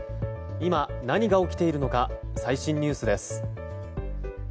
今、何が起きているのか最新ニュースです。